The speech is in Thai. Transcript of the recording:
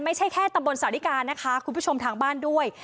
ไม่ใช่แค่ตำบลสาวิกานะคะคุณผู้ชมทางบ้านด้วย